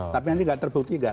tapi nanti tidak terbukti nggak